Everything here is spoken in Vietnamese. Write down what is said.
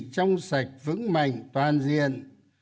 trong sạch vững mạnh toàn diện